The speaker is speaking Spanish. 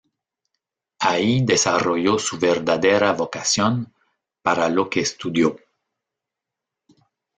Ahí desarrolló su verdadera vocación, para lo que estudió.